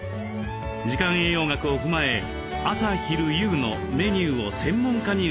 時間栄養学を踏まえ朝昼夕のメニューを専門家に伺いました。